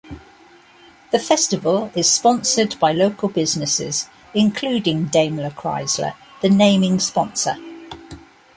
The festival is sponsored by local businesses, including DaimlerChrysler, the naming sponsor.